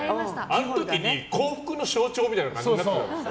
あの時に幸福の象徴みたいな感じになってたでしょ。